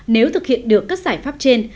nếu thực hiện được các giải pháp trên